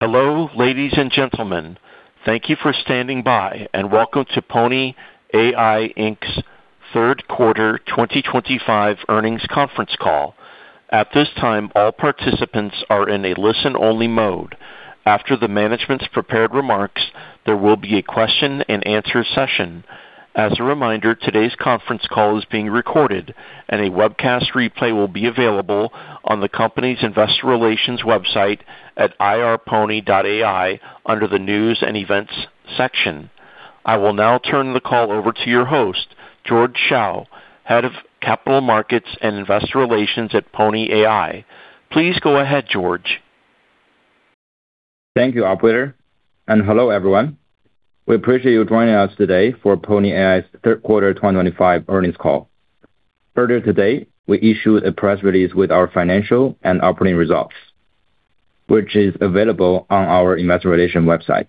Hello, ladies and gentlemen. Thank you for standing by, and welcome to Pony AI's Third Quarter 2025 earnings conference call. At this time, all participants are in a listen-only mode. After the management's prepared remarks, there will be a question-and-answer session. As a reminder, today's conference call is being recorded, and a webcast replay will be available on the company's investor relations website at ir.pony.ai under the news and events section. I will now turn the call over to your host, George Shao, Head of Capital Markets and Investor Relations at Pony AI. Please go ahead, George. Thank you, operator. Hello, everyone. We appreciate you joining us today for Pony AI's Third Quarter 2025 earnings call. Earlier today, we issued a press release with our financial and operating results, which is available on our investor relations website.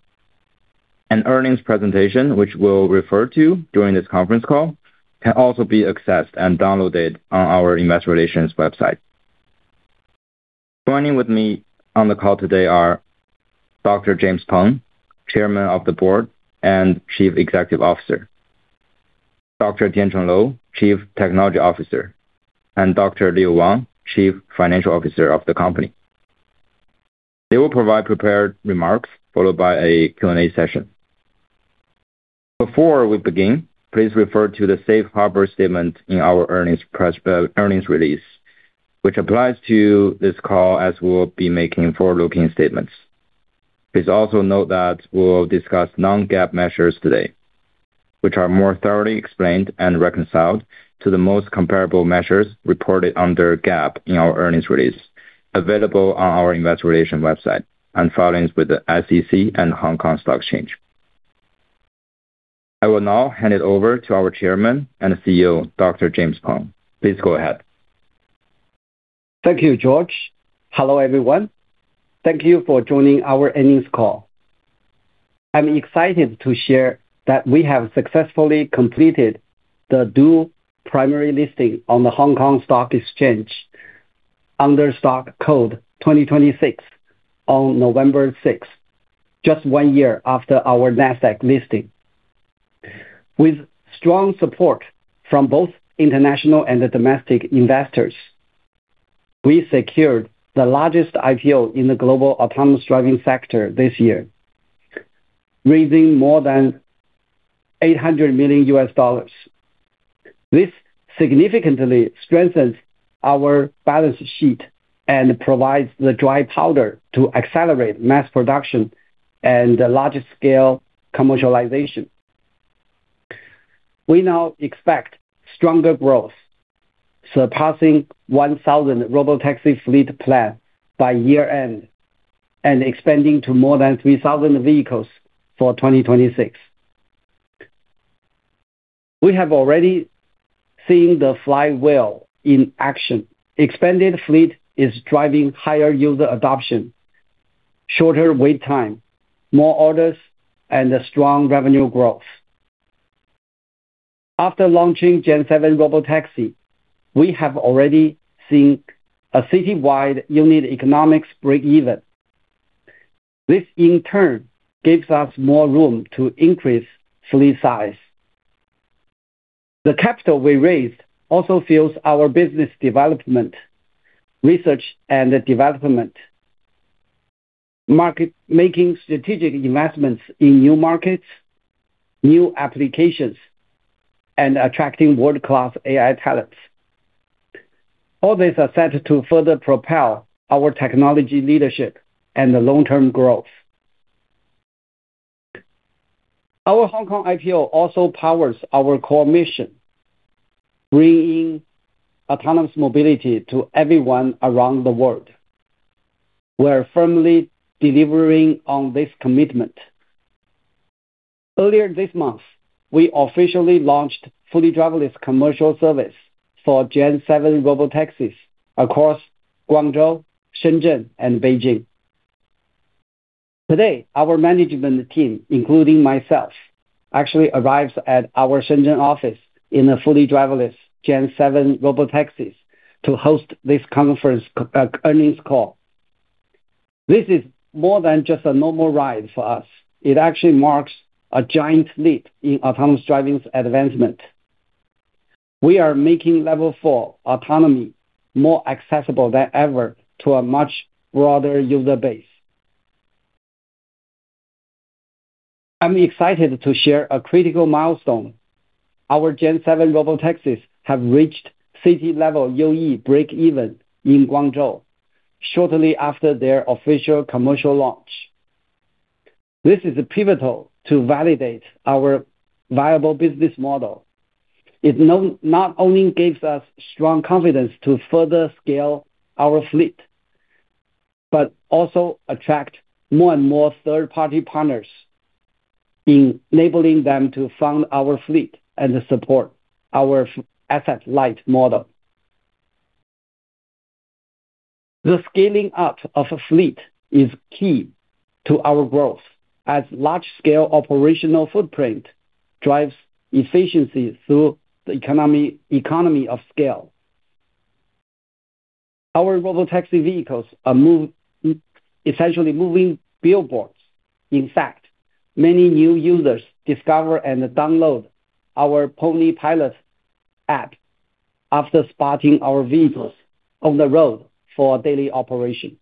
An earnings presentation, which we'll refer to during this conference call, can also be accessed and downloaded on our investor relations website. Joining with me on the call today are Dr. James Peng, Chairman of the Board and Chief Executive Officer; Dr. Tiancheng Lou, Chief Technology Officer; and Dr. Leo Wang, Chief Financial Officer of the company. They will provide prepared remarks followed by a Q&A session. Before we begin, please refer to the safe harbor statement in our earnings press release, which applies to this call as we'll be making forward-looking statements. Please also note that we'll discuss non-GAAP measures today, which are more thoroughly explained and reconciled to the most comparable measures reported under GAAP in our earnings release, available on our investor relations website and filings with the SEC and Hong Kong Stock Exchange. I will now hand it over to our Chairman and CEO, Dr. James Peng. Please go ahead. Thank you, George. Hello, everyone. Thank you for joining our earnings call. I'm excited to share that we have successfully completed the dual primary listing on the Hong Kong Stock Exchange under stock code 2026 on November 6, just one year after our Nasdaq listing. With strong support from both international and domestic investors, we secured the largest IPO in the global autonomous driving sector this year, raising more than $800 million U.S. dollars. This significantly strengthens our balance sheet and provides the dry powder to accelerate mass production and large-scale commercialization. We now expect stronger growth, surpassing 1,000 robotaxi fleet plans by year-end and expanding to more than 3,000 vehicles for 2026. We have already seen the flywheel in action. Expanded fleet is driving higher user adoption, shorter wait time, more orders, and strong revenue growth. After launching Gen-7 Robotaxi, we have already seen a citywide unit economics break even. This, in turn, gives us more room to increase fleet size. The capital we raised also fuels our business development, research and development, market-making strategic investments in new markets, new applications, and attracting world-class AI talents. All these are set to further propel our technology leadership and long-term growth. Our Hong Kong IPO also powers our core mission: bringing autonomous mobility to everyone around the world. We're firmly delivering on this commitment. Earlier this month, we officially launched fully driverless commercial service for Gen-7 Robotaxis across Guangzhou, Shenzhen, and Beijing. Today, our management team, including myself, actually arrives at our Shenzhen office in a fully driverless Gen-7 Robotaxis to host this conference earnings call. This is more than just a normal ride for us. It actually marks a giant leap in autonomous driving's advancement. We are making level four autonomy more accessible than ever to a much broader user base. I'm excited to share a critical milestone. Our Gen-7 Robotaxis have reached city-level UE break-even in Guangzhou shortly after their official commercial launch. This is pivotal to validate our viable business model. It not only gives us strong confidence to further scale our fleet, but also attracts more and more third-party partners, enabling them to fund our fleet and support our asset-light model. The scaling up of a fleet is key to our growth, as large-scale operational footprint drives efficiency through the economy of scale. Our robotaxi vehicles are essentially moving billboards. In fact, many new users discover and download our PonyPilot app after spotting our vehicles on the road for daily operation.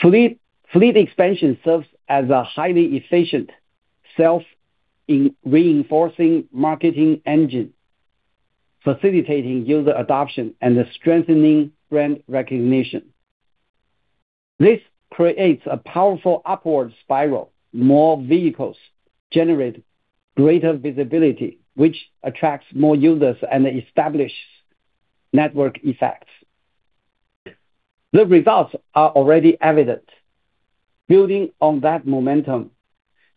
Fleet expansion serves as a highly efficient self-reinforcing marketing engine, facilitating user adoption and strengthening brand recognition. This creates a powerful upward spiral: more vehicles generate greater visibility, which attracts more users and establishes network effects. The results are already evident. Building on that momentum,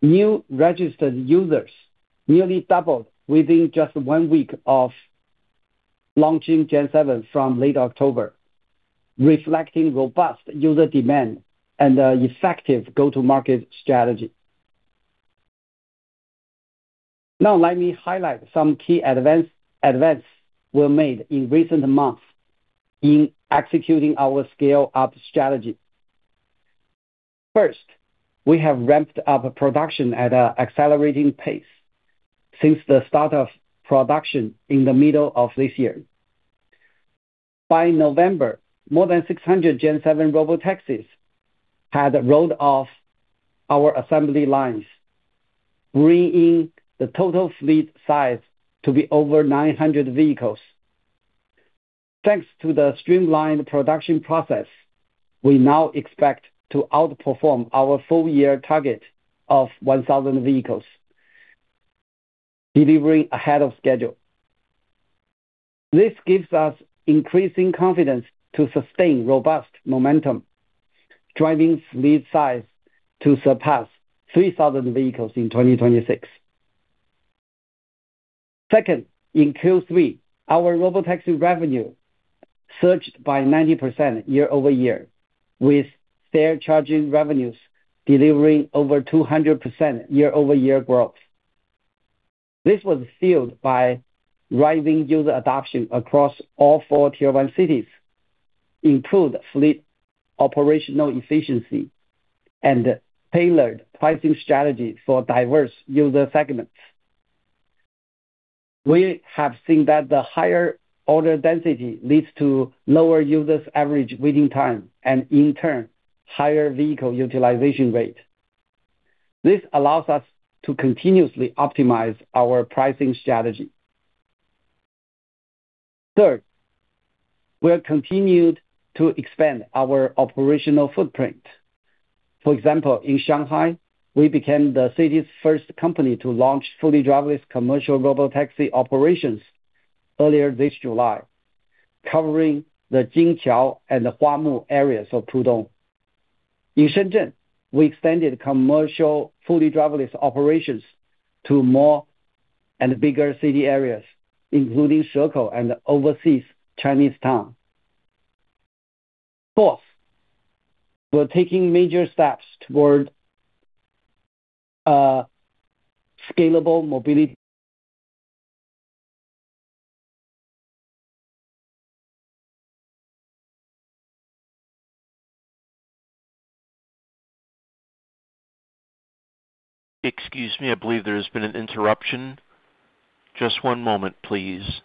new registered users nearly doubled within just one week of launching Gen--7 from late October, reflecting robust user demand and an effective go-to-market strategy. Now, let me highlight some key advances we've made in recent months in executing our scale-up strategy. First, we have ramped up production at an accelerating pace since the start of production in the middle of this year. By November, more than 600 Gen-7 Robotaxis had rolled off our assembly lines, bringing the total fleet size to be over 900 vehicles. Thanks to the streamlined production process, we now expect to outperform our full-year target of 1,000 vehicles, delivering ahead of schedule. This gives us increasing confidence to sustain robust momentum, driving fleet size to surpass 3,000 vehicles in 2026. Second, in Q3, our robotaxi revenue surged by 90% year-over-year, with fare charging revenues delivering over 200% year-over-year growth. This was fueled by rising user adoption across all four Tier one cities, improved fleet operational efficiency, and tailored pricing strategies for diverse user segments. We have seen that the higher order density leads to lower users' average waiting time and, in turn, higher vehicle utilization rate. This allows us to continuously optimize our pricing strategy. Third, we have continued to expand our operational footprint. For example, in Shanghai, we became the city's first company to launch fully driverless commercial robotaxi operations earlier this July, covering the Jinqiao and Huamu areas of Pudong. In Shenzhen, we extended commercial fully driverless operations to more and bigger city areas, including Shekou and Overseas Chinese Town. Fourth, we're taking major steps toward scalable mobility. Excuse me, I believe there has been an interruption. Just one moment, please.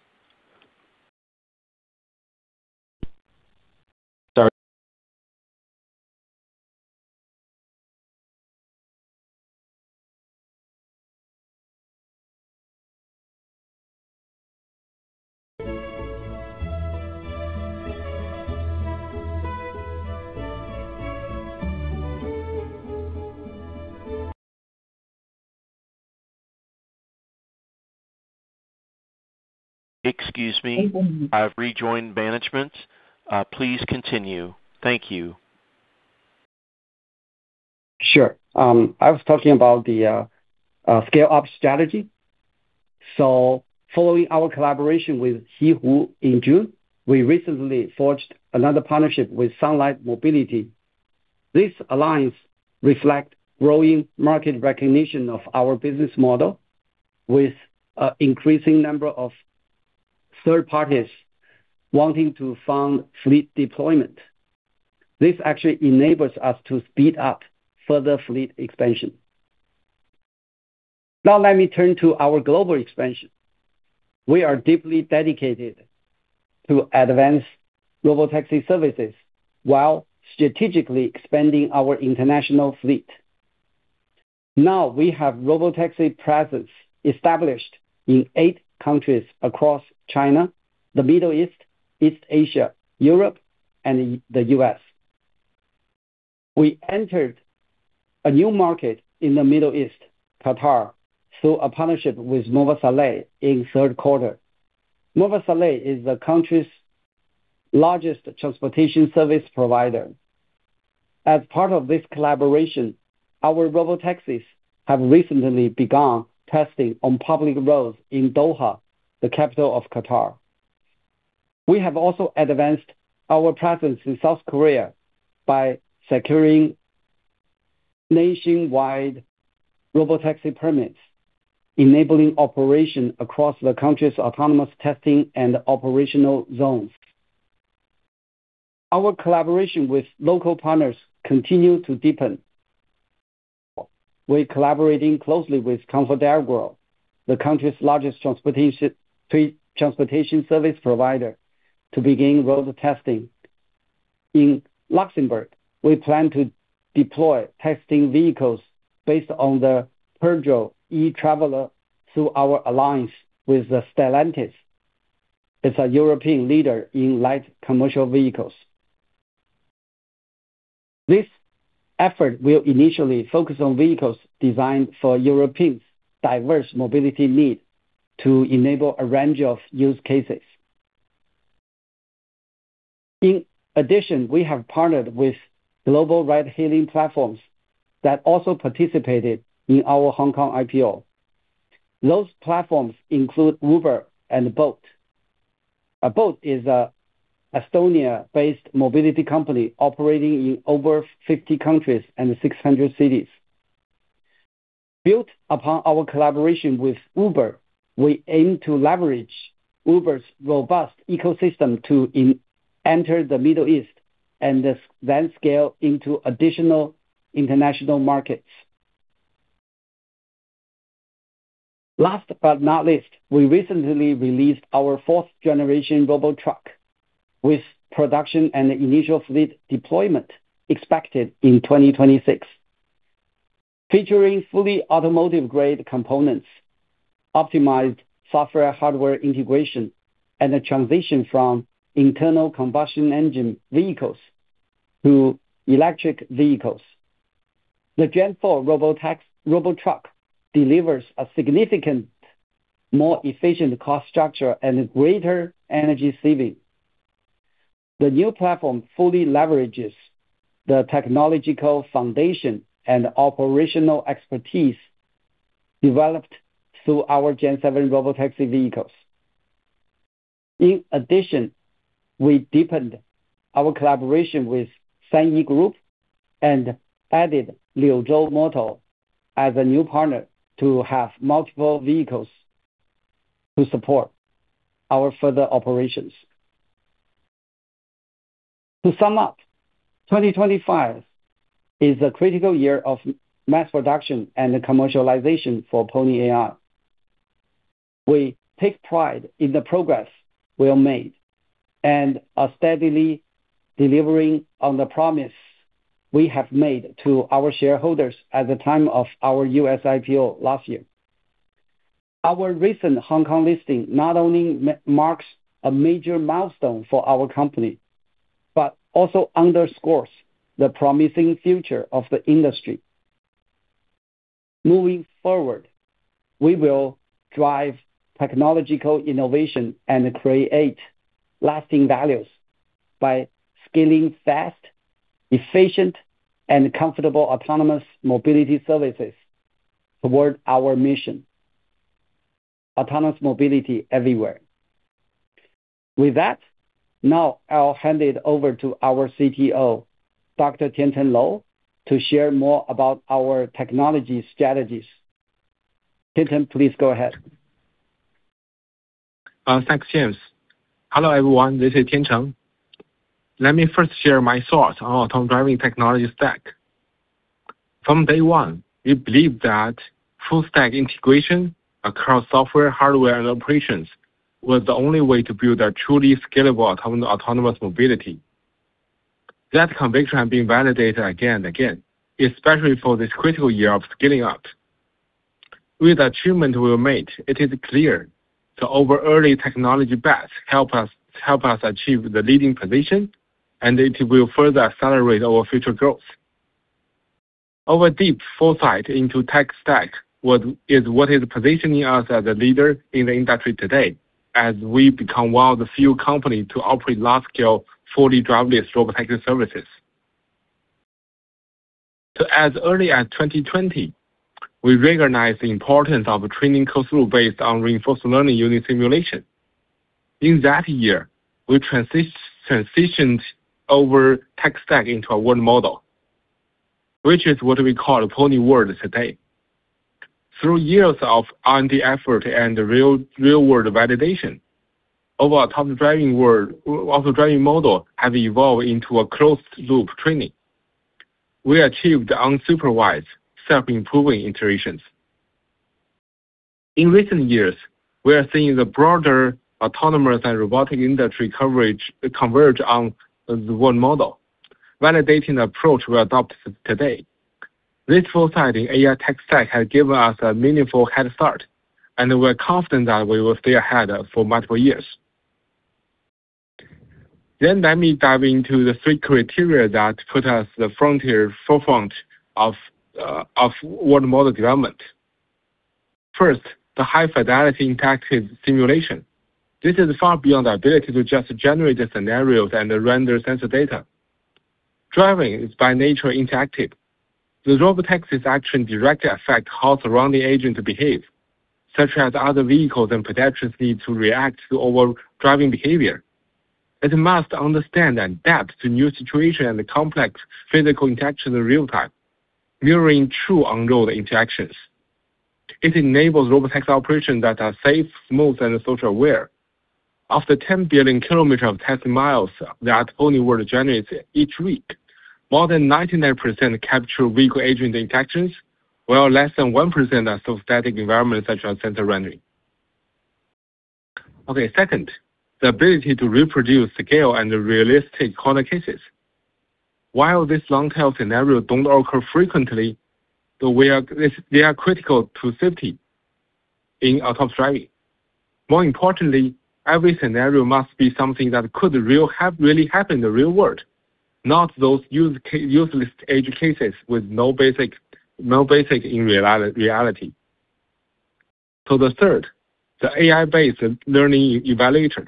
Excuse me, I've rejoined management. Please continue. Thank you. Sure. I was talking about the scale-up strategy. Following our collaboration with Sihu in June, we recently forged another partnership with Sunlight Mobility. These alliances reflect growing market recognition of our business model, with an increasing number of third parties wanting to fund fleet deployment. This actually enables us to speed up further fleet expansion. Now, let me turn to our global expansion. We are deeply dedicated to advanced robotaxi services while strategically expanding our international fleet. Now, we have robotaxi presence established in eight countries across China, the Middle East, East Asia, Europe, and the U.S. We entered a new market in the Middle East, Qatar, through a partnership with Mowasalat in the third quarter. Mowasalat is the country's largest transportation service provider. As part of this collaboration, our robotaxis have recently begun testing on public roads in Doha, the capital of Qatar. We have also advanced our presence in South Korea by securing nationwide robotaxi permits, enabling operation across the country's autonomous testing and operational zones. Our collaboration with local partners continues to deepen. We are collaborating closely with Mowasalat, the country's largest transportation service provider, to begin road testing. In Luxembourg, we plan to deploy testing vehicles based on the Peugeot E-Traveler through our alliance with Stellantis. It's a European leader in light commercial vehicles. This effort will initially focus on vehicles designed for Europeans' diverse mobility needs to enable a range of use cases. In addition, we have partnered with global ride-hailing platforms that also participated in our Hong Kong IPO. Those platforms include Uber and Bolt. Bolt is an Estonia-based mobility company operating in over 50 countries and 600 cities. Built upon our collaboration with Uber, we aim to leverage Uber's robust ecosystem to enter the Middle East and then scale into additional international markets. Last but not least, we recently released our fourth-generation Robotruck, with production and initial fleet deployment expected in 2026. Featuring fully automotive-grade components, optimized software/hardware integration, and a transition from internal combustion engine vehicles to electric vehicles, the Gen- 4 Robotruck delivers a significantly more efficient cost structure and greater energy savings. The new platform fully leverages the technological foundation and operational expertise developed through our Gen-7 Robotaxi vehicles. In addition, we deepened our collaboration with SANY Group and added Liuzhou Motor as a new partner to have multiple vehicles to support our further operations. To sum up, 2025 is a critical year of mass production and commercialization for Pony AI. We take pride in the progress we have made and are steadily delivering on the promise we have made to our shareholders at the time of our U.S. IPO last year. Our recent Hong Kong Stock Exchange listing not only marks a major milestone for our company, but also underscores the promising future of the industry. Moving forward, we will drive technological innovation and create lasting values by scaling fast, efficient, and comfortable autonomous mobility services toward our mission: autonomous mobility everywhere. With that, now I'll hand it over to our CTO, Dr. Tiancheng Lou, to share more about our technology strategies. Tiancheng, please go ahead. Thanks, James. Hello everyone. This is Tiancheng. Let me first share my thoughts on our autonomous driving technology stack. From day one, we believed that full-stack integration across software, hardware, and operations was the only way to build a truly scalable autonomous mobility. That conviction has been validated again and again, especially for this critical year of scaling up. With the achievements we've made, it is clear the over-early technology bets help us achieve the leading position, and it will further accelerate our future growth. Our deep foresight into tech stack is what is positioning us as a leader in the industry today, as we become one of the few companies to operate large-scale fully driverless robotaxi services. As early as 2020, we recognized the importance of training code through based on reinforcement learning using simulation. In that year, we transitioned our tech stack into a world model, which is what we call the Pony World today. Through years of R&D effort and real-world validation, our autonomous driving model has evolved into a closed-loop training. We achieved unsupervised, self-improving iterations. In recent years, we are seeing the broader autonomous and robotic industry coverage converge on the world model, validating the approach we adopt today. This foresight in AI tech stack has given us a meaningful head start, and we're confident that we will stay ahead for multiple years. Let me dive into the three criteria that put us at the frontier forefront of world model development. First, the high-fidelity interactive simulation. This is far beyond the ability to just generate scenarios and render sensor data. Driving is by nature interactive. The robotaxi's actions directly affect how surrounding agents behave, such as other vehicles and pedestrians need to react to our driving behavior. It must understand and adapt to new situations and complex physical interactions in real time, mirroring true on-road interactions. It enables robotaxi operations that are safe, smooth, and social-aware. Of the 10 billion kilometers of test miles that Pony World generates each week, more than 99% capture vehicle agent interactions, while less than 1% are substatic environments such as sensor rendering. Okay, second, the ability to reproduce scale and realistic corner cases. While these long-tail scenarios do not occur frequently, they are critical to safety in autonomous driving. More importantly, every scenario must be something that could really happen in the real world, not those useless edge cases with no basic in reality. The third, the AI-based learning evaluator.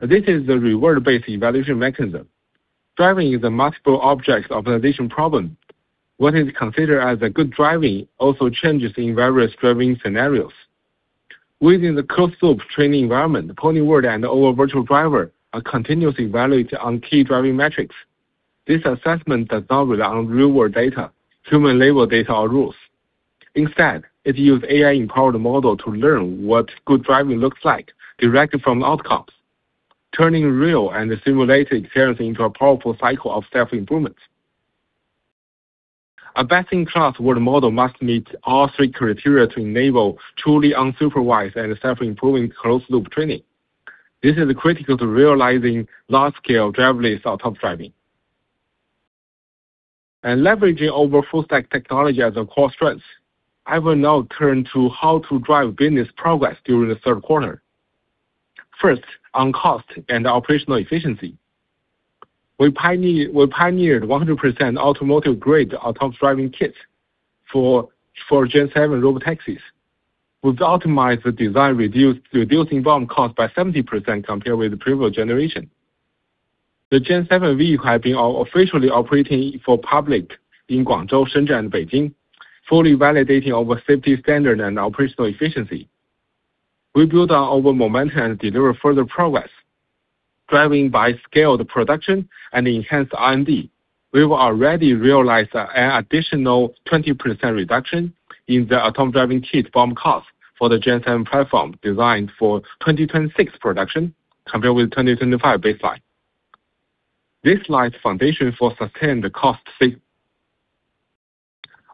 This is a reward-based evaluation mechanism. Driving is a multiple object optimization problem. What is considered as good driving also changes in various driving scenarios. Within the closed-loop training environment, Pony World and our Virtual Driver are continuously evaluated on key driving metrics. This assessment does not rely on real-world data, human-labeled data, or rules. Instead, it uses AI-powered models to learn what good driving looks like directly from outcomes, turning real and simulated experiences into a powerful cycle of self-improvement. A best-in-class world model must meet all three criteria to enable truly unsupervised and self-improving closed-loop training. This is critical to realizing large-scale driverless autonomous driving. Leveraging our full-stack technology as a core strength, I will now turn to how to drive business progress during the third quarter. First, on cost and operational efficiency. We pioneered 100% automotive-grade Autonomous Driving Kits for Gen-7 Robotaxis. We've optimized the design, reducing bottom cost by 70% compared with the previous generation. The Gen-7 vehicle has been officially operating for the public in Guangzhou, Shenzhen, and Beijing, fully validating our safety standards and operational efficiency. We built on our momentum and delivered further progress. Driven by scaled production and enhanced R&D, we've already realized an additional 20% reduction in the autonomous driving kit bottom cost for the Gen-7 platform designed for 2026 production compared with the 2025 baseline. This lies in the foundation for sustained cost savings.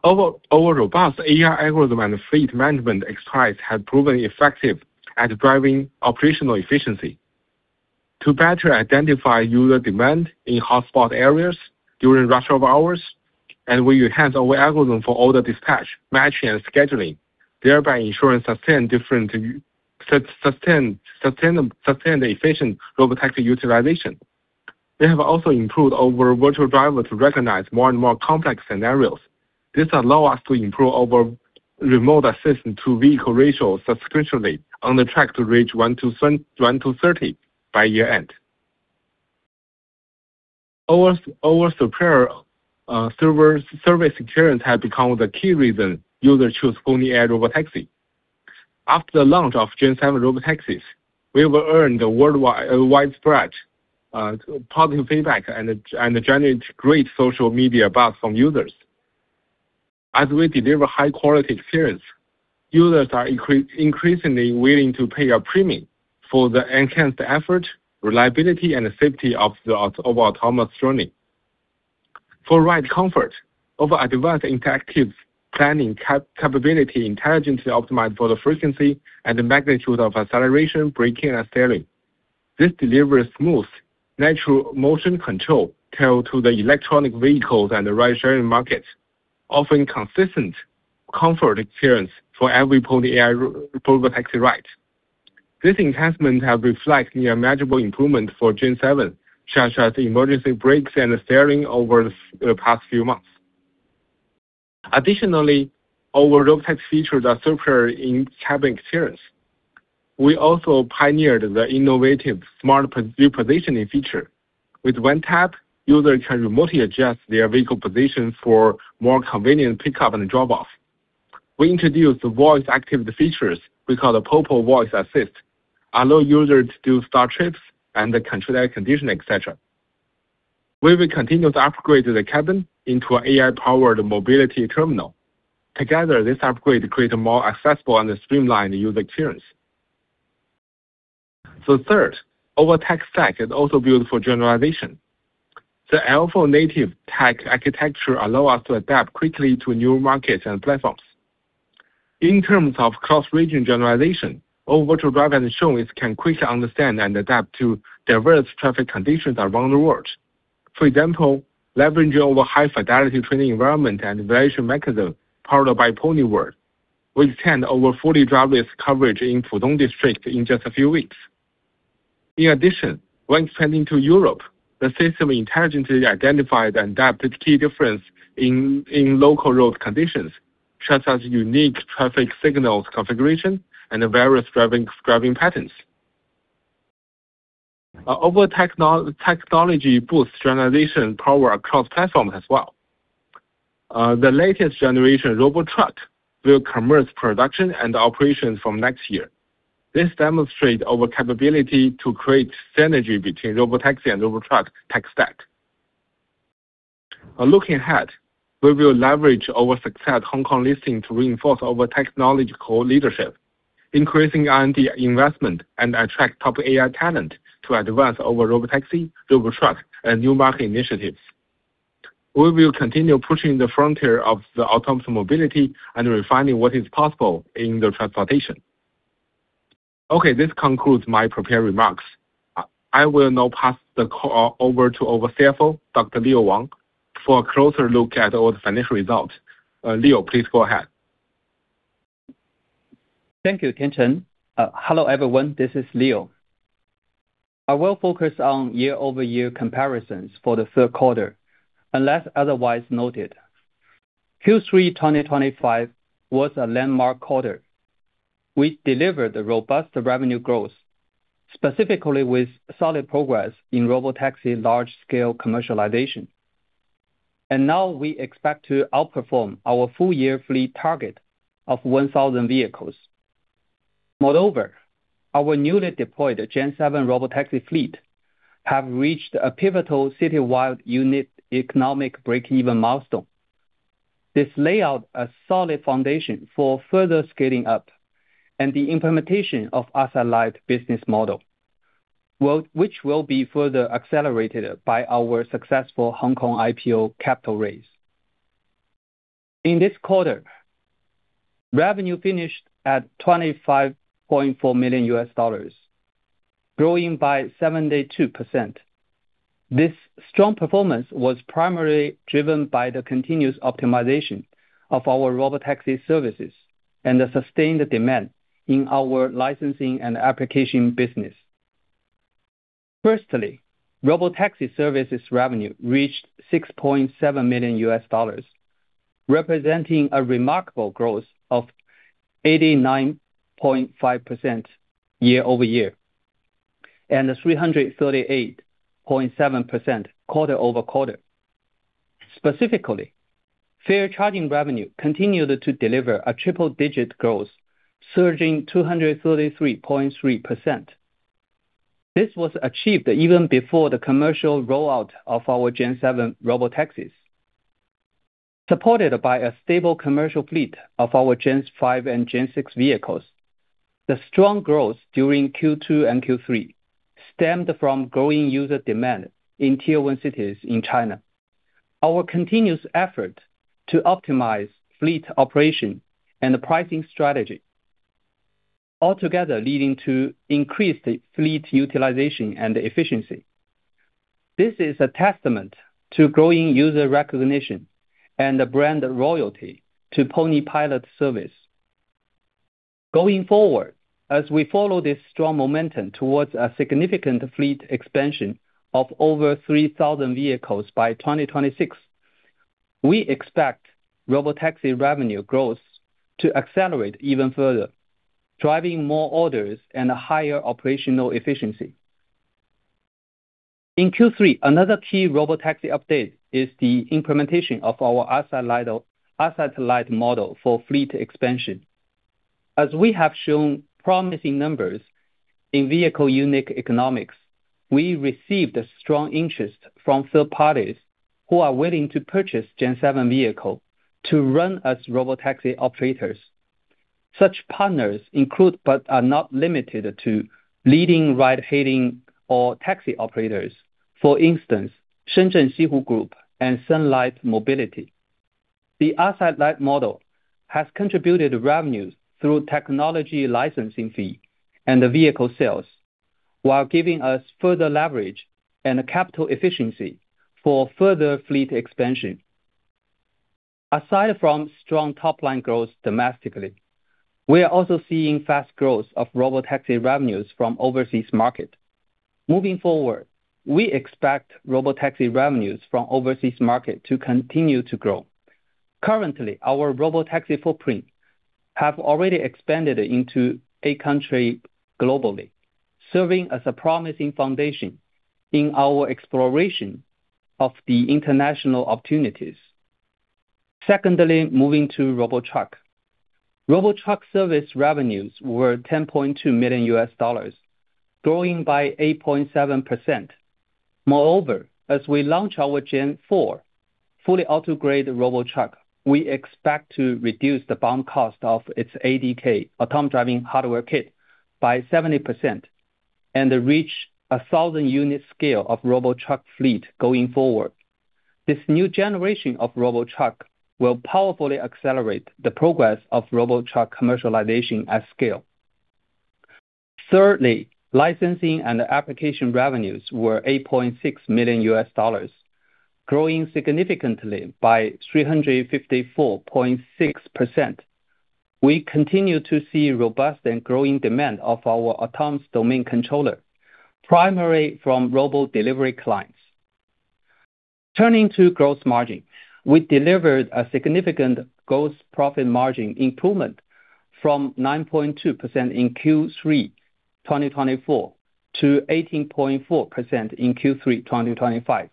Our robust AI algorithm and fleet management experts have proven effective at driving operational efficiency. To better identify user demand in hotspot areas during rush hours, we enhance our algorithm for order dispatch, matching, and scheduling, thereby ensuring sustained efficient robotaxi utilization. We have also improved our virtual driver to recognize more and more complex scenarios. This allows us to improve our remote assistance to vehicle ratios substantially on the track to reach 1,00 0- 1,230 by year-end. Our superior service experience has become the key reason users choose Pony AI Robotaxi. After the launch of Gen-7 Robotaxis, we've earned widespread positive feedback and generated great social media buzz from users. As we deliver high-quality experience, users are increasingly willing to pay a premium for the enhanced effort, reliability, and safety of our autonomous journey. For ride comfort, our advanced interactive planning capability is intelligently optimized for the frequency and magnitude of acceleration, braking, and steering. This delivers smooth, natural motion control tailored to the electric vehicles and the ride-sharing market, offering consistent comfort experience for every Pony AI Robotaxi ride. This enhancement has reflected near-measurable improvements for Gen-7, such as emergency brakes and steering over the past few months. Additionally, our robotaxi features are superior in cabin experience. We also pioneered the innovative smart repositioning feature. With one tap, users can remotely adjust their vehicle position for more convenient pickup and drop-off. We introduced voice-activated features we call the Pony AI Voice Assist, allowing users to do star trips and control air conditioning, etc. We will continue to upgrade the cabin into an AI-powered mobility terminal. Together, this upgrade creates a more accessible and streamlined user experience. Third, our tech stack is also built for generalization. The L4 native tech architecture allows us to adapt quickly to new markets and platforms. In terms of cross-region generalization, our Virtual Driver and showings can quickly understand and adapt to diverse traffic conditions around the world. For example, leveraging our high-fidelity training environment and evaluation mechanism powered by Pony World, we extend our fully driverless coverage in Pudong District in just a few weeks. In addition, when expanding to Europe, the system intelligently identifies and adapts to key differences in local road conditions, such as unique traffic signal configurations and various driving patterns. Our technology boosts generalization power across platforms as well. The latest-generation robot truck will come into production and operations from next year. This demonstrates our capability to create synergy between robotaxi and robot truck tech stack. Looking ahead, we will leverage our success at Hong Kong listing to reinforce our technological leadership, increasing R&D investment, and attract top AI talent to advance our robotaxi, robot truck, and new market initiatives. We will continue pushing the frontier of autonomous mobility and refining what is possible in transportation. Okay, this concludes my prepared remarks. I will now pass the call over to our CFO, Dr. Leo Wang, for a closer look at our financial results. Leo, please go ahead. Thank you, Tiancheng. Hello everyone. This is Leo. I will focus on year-over-year comparisons for the third quarter, unless otherwise noted. Q3 2025 was a landmark quarter. We delivered robust revenue growth, specifically with solid progress in robotaxi large-scale commercialization. We now expect to outperform our full-year fleet target of 1,000 vehicles. Moreover, our newly deployed Gen-7 robotaxi fleet has reached a pivotal city-wide unit economic break-even milestone. This lays out a solid foundation for further scaling up and the implementation of our satellite business model, which will be further accelerated by our successful Hong Kong IPO capital raise. In this quarter, revenue finished at $25.4 million, growing by 72%. This strong performance was primarily driven by the continuous optimization of our robotaxi services and the sustained demand in our licensing and application business. Firstly, robotaxi services revenue reached $6.7 million, representing a remarkable growth of 89.5% year-over-year and 338.7% quarter-over-quarter. Specifically, fare charging revenue continued to deliver a triple-digit growth, surging 233.3%. This was achieved even before the commercial rollout of our Gen-7 Robotaxi. Supported by a stable commercial fleet of our Gen-5 and Gen-6 vehicles, the strong growth during Q2 and Q3 stemmed from growing user demand in Tier one cities in China. Our continuous effort to optimize fleet operation and pricing strategy altogether led to increased fleet utilization and efficiency. This is a testament to growing user recognition and brand loyalty to Pony Pilot service. Going forward, as we follow this strong momentum towards a significant fleet expansion of over 3,000 vehicles by 2026, we expect robotaxi revenue growth to accelerate even further, driving more orders and a higher operational efficiency. In Q3, another key robotaxi update is the implementation of our satellite model for fleet expansion. As we have shown promising numbers in vehicle unit economics, we received strong interest from third parties who are willing to purchase Gen- 7 vehicles to run as robotaxi operators. Such partners include but are not limited to leading ride-hailing or taxi operators, for instance, Shenzhen Sihu Group and Sunlight Mobility. The satellite model has contributed revenues through technology licensing fees and vehicle sales, while giving us further leverage and capital efficiency for further fleet expansion. Aside from strong top-line growth domestically, we are also seeing fast growth of robotaxi revenues from overseas markets. Moving forward, we expect robotaxi revenues from overseas markets to continue to grow. Currently, our robotaxi footprint has already expanded into eight countries globally, serving as a promising foundation in our exploration of the international opportunities. Secondly, moving to robot truck. Robot truck service revenues were $10.2 million, growing by 8.7%. Moreover, as we launch our Gen4 fully auto-grade robot truck, we expect to reduce the bottom cost of its ADK, autonomous driving hardware kit, by 70% and reach a 1,000-unit scale of robot truck fleet going forward. This new generation of robot truck will powerfully accelerate the progress of robot truck commercialization at scale. Thirdly, licensing and application revenues were $8.6 million, growing significantly by 354.6%. We continue to see robust and growing demand for our autonomous domain controller, primarily from robot delivery clients. Turning to gross margin, we delivered a significant gross profit margin improvement from 9.2% in Q3 2024 to 18.4% in Q3 2025,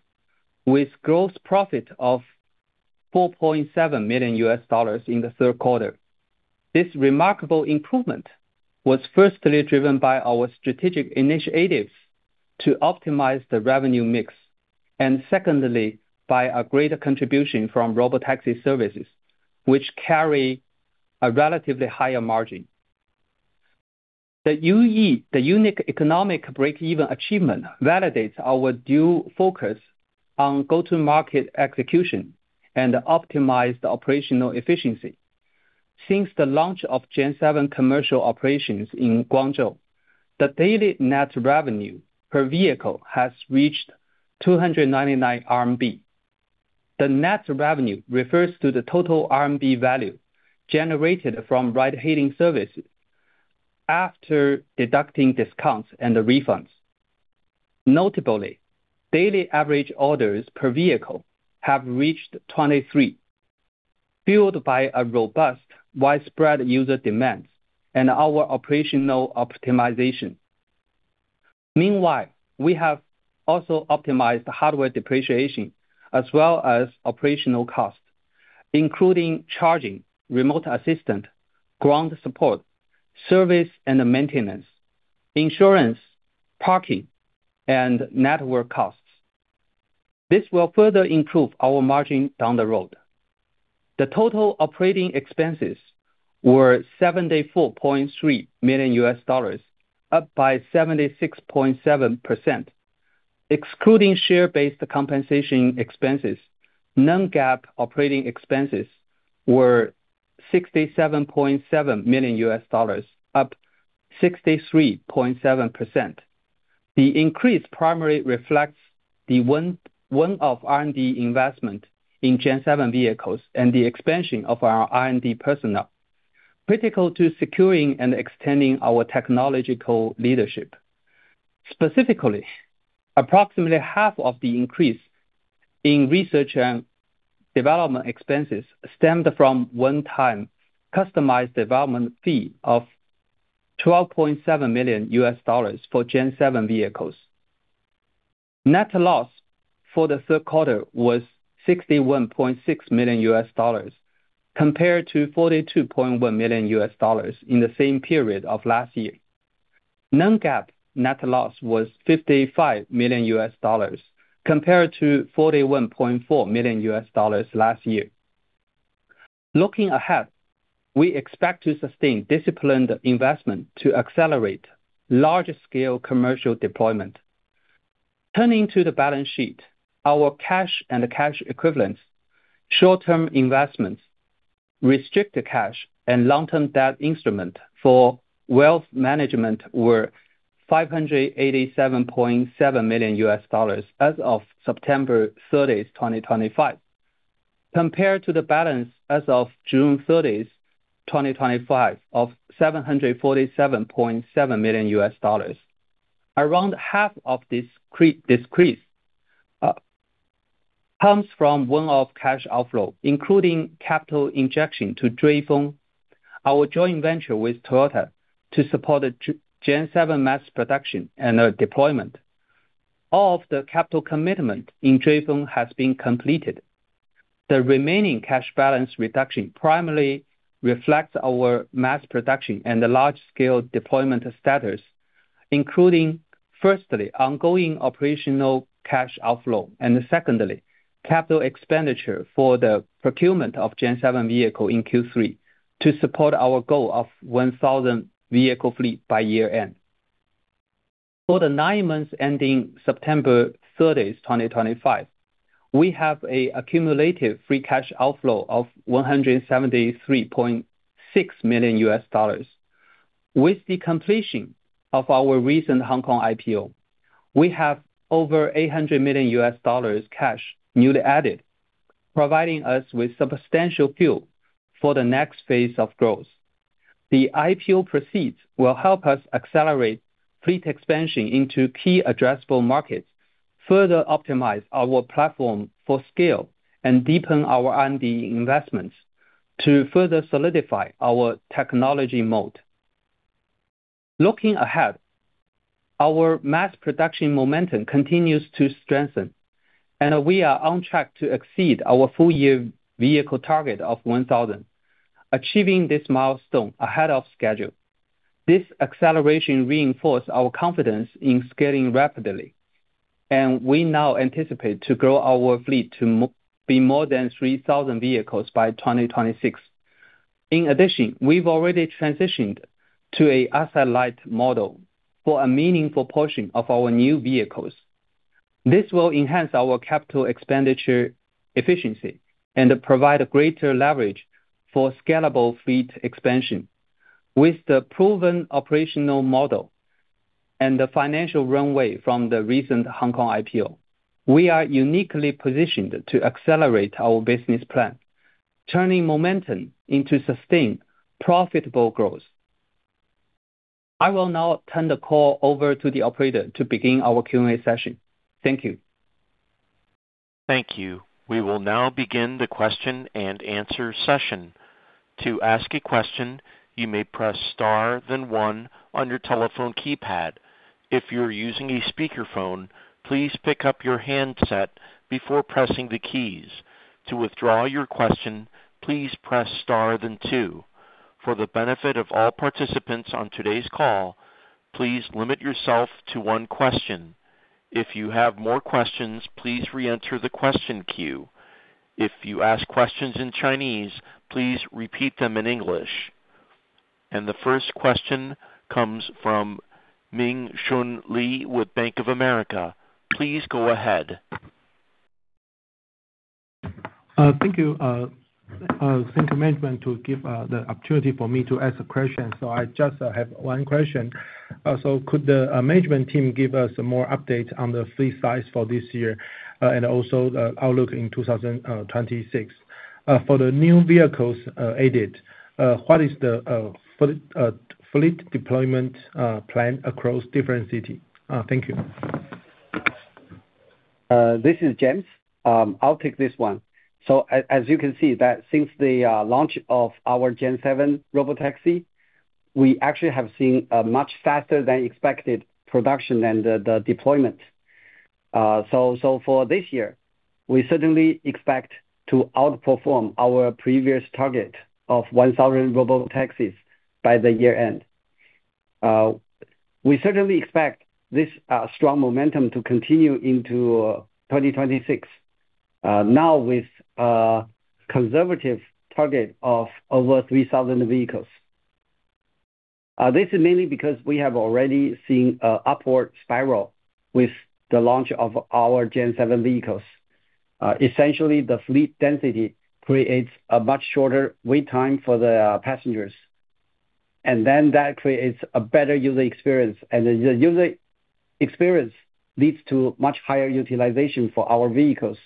with gross profit of $4.7 million in the third quarter. This remarkable improvement was firstly driven by our strategic initiatives to optimize the revenue mix, and secondly, by a greater contribution from robotaxi services, which carry a relatively higher margin. The unit economic break-even achievement validates our dual focus on go-to-market execution and optimized operational efficiency. Since the launch of Gen-7 commercial operations in Guangzhou, the daily net revenue per vehicle has reached 299 RMB. The net revenue refers to the total CNY value generated from ride-hailing services after deducting discounts and refunds. Notably, daily average orders per vehicle have reached 23, fueled by robust widespread user demands and our operational optimization. Meanwhile, we have also optimized hardware depreciation as well as operational costs, including charging, remote assistance, ground support, service and maintenance, insurance, parking, and network costs. This will further improve our margin down the road. The total operating expenses were $74.3 million, up by 76.7%. Excluding share-based compensation expenses, non-GAAP operating expenses were $67.7 million, up 63.7%. The increase primarily reflects the win of R&D investment in Gen-7 vehicles and the expansion of our R&D personnel, critical to securing and extending our technological leadership. Specifically, approximately half of the increase in research and development expenses stemmed from one-time customized development fee of $12.7 million for vehicles. Net loss for the third quarter was $61.6 million, compared to $42.1 million in the same period of last year. Non-GAAP net loss was $55 million, compared to $41.4 million last year. Looking ahead, we expect to sustain disciplined investment to accelerate large-scale commercial deployment. Turning to the balance sheet, our cash and cash equivalents, short-term investments, restricted cash, and long-term debt instrument for wealth management were $587.7 million as of September 30, 2025, compared to the balance as of June 30, 2025, of $747.7 million. Around half of this decrease comes from one-off cash outflow, including capital injection to JFeng, our joint venture with Toyota, to support Gen - 7 mass production and deployment. All of the capital commitment in JFeng has been completed. The remaining cash balance reduction primarily reflects our mass production and large-scale deployment status, including, firstly, ongoing operational cash outflow, and secondly, capital expenditure for the procurement of Gen - 7 vehicles in Q3 to support our goal of 1,000 vehicle fleets by year-end. For the nine months ending September 30, 2025, we have an accumulated free cash outflow of $173.6 million. With the completion of our recent Hong Kong IPO, we have over $800 million cash newly added, providing us with substantial fuel for the next phase of growth. The IPO proceeds will help us accelerate fleet expansion into key addressable markets, further optimize our platform for scale, and deepen our R&D investments to further solidify our technology moat. Looking ahead, our mass production momentum continues to strengthen, and we are on track to exceed our full-year vehicle target of 1,000, achieving this milestone ahead of schedule. This acceleration reinforces our confidence in scaling rapidly, and we now anticipate to grow our fleet to be more than 3,000 vehicles by 2026. In addition, we've already transitioned to a satellite model for a meaningful portion of our new vehicles. This will enhance our capital expenditure efficiency and provide greater leverage for scalable fleet expansion. With the proven operational model and the financial runway from the recent Hong Kong IPO, we are uniquely positioned to accelerate our business plan, turning momentum into sustained profitable growth. I will now turn the call over to the operator to begin our Q&A session. Thank you. We will now begin the question and answer session. To ask a question, you may press star then one on your telephone keypad. If you're using a speakerphone, please pick up your handset before pressing the keys. To withdraw your question, please press star then two. For the benefit of all participants on today's call, please limit yourself to one question. If you have more questions, please re-enter the question queue. If you ask questions in Chinese, please repeat them in English. The first question comes from Ming Hsun Lee with Bank of America. Please go ahead. Thank you, thank you, management, to give the opportunity for me to ask a question. I just have one question. Could the management team give us more updates on the fleet size for this year and also the outlook in 2026? For the new vehicles added, what is the fleet deployment plan across different cities? Thank you. This is James. I'll take this one. As you can see, since the launch of our Gen-7 Robotaxi, we actually have seen a much faster-than-expected production and deployment. For this year, we certainly expect to outperform our previous target of 1,000 robotaxis by the year-end. We certainly expect this strong momentum to continue into 2026, now with a conservative target of over 3,000 vehicles. This is mainly because we have already seen an upward spiral with the launch of our Gen - 7 vehicles. Essentially, the fleet density creates a much shorter wait time for the passengers. That creates a better user experience. The user experience leads to much higher utilization for our vehicles.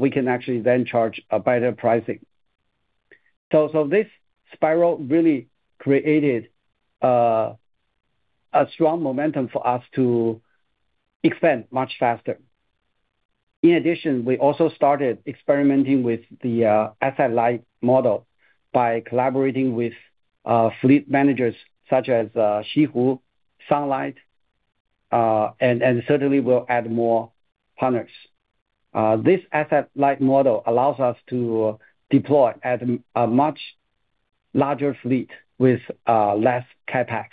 We can actually then charge a better pricing. This spiral really created a strong momentum for us to expand much faster. In addition, we also started experimenting with the satellite model by collaborating with fleet managers such as Sihu, Sunlight, and certainly will add more partners. This satellite model allows us to deploy at a much larger fleet with less CapEx.